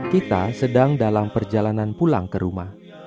kita sedang dalam perjalanan pulang ke rumah